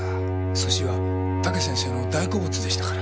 寿司は武先生の大好物でしたから。